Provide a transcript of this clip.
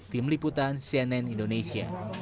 tim liputan cnn indonesia